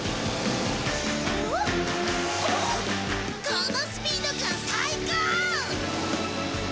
このスピード感最高！